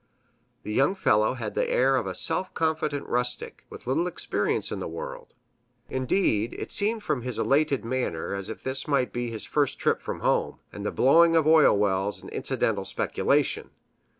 The young fellow had the air of a self confident rustic, with little experience in the world. Indeed, it seemed from his elated manner as if this might be his first trip from home, and the blowing of oil wells an incidental speculation.